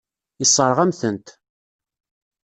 Yessṛeɣ-am-tent.